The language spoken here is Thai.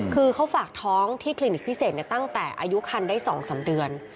คือเขาฝากท้องที่คลินิกพิเศษตั้งแต่อายุคันได้๒๓เดือน